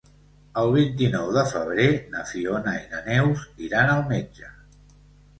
El vint-i-nou de febrer na Fiona i na Neus iran al metge.